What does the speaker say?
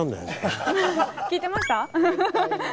聞いてました？